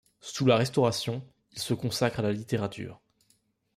Sous la Restauration, il se consacre à la littérature.